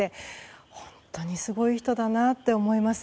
本当にすごい人だなと思います。